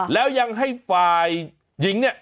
แล้วยังให้ฝ่ายหญิงเนี่ย